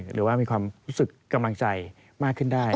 หรือว่ามีความรู้สึกกำลังใจมากขึ้นได้